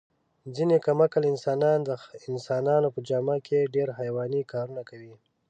ځنې کم عقل انسانان د انسان په جامه کې ډېر حیواني کارونه کوي.